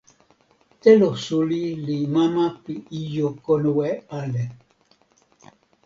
telo suli li mama pi ijo konwe ale.